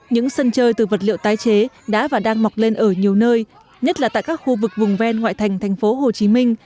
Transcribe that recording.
những sân chơi từ vật liệu tái chế đã và đang mọc lên ở nhiều nơi nhất là tại các khu vực vùng ven ngoại thành thành phố hồ chí minh